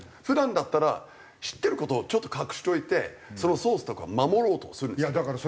普段だったら知ってる事をちょっと隠しといてそのソースとかを守ろうとするんですよ。